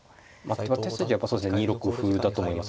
手筋はやっぱ２六歩だと思います